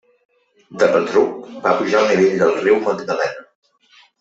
De retruc va pujar el nivell del Riu Magdalena.